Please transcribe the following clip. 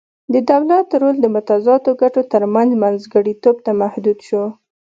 د دولت رول د متضادو ګټو ترمنځ منځګړیتوب ته محدود شو